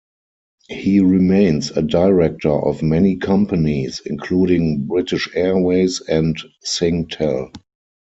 He remains a director of many companies, including British Airways and SingTel.